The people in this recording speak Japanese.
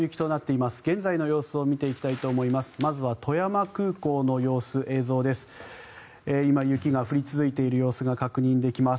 まずは富山空港の様子映像です。